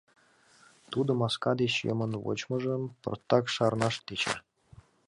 Тудо маска деч йымен вочмыжым пыртак шарнаш тӧча.